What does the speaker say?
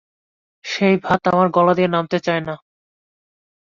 সেই ভাত আমার গলা দিয়ে নামতে চায় না।